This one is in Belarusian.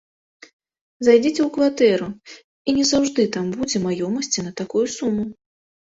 Зайдзіце ў кватэру, і не заўжды там будзе маёмасці на такую суму.